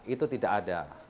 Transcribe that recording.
itu tidak ada